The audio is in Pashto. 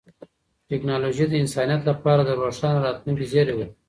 ټیکنالوژي د انسانیت لپاره د روښانه راتلونکي زیری ورکوي.